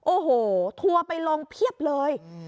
โอ้โหทัวร์ไปลงเพียบเลย